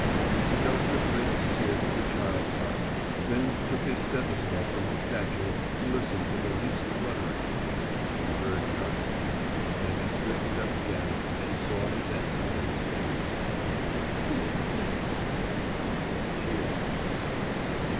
The doctor placed his ear to the child's heart, then took his stethoscope from his satchel to listen for the least fluttering. He heard none. As he straightened up again, she saw his answer in his face. "Is he dead!" she asked.